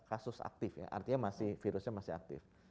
kasus aktif ya artinya virusnya masih aktif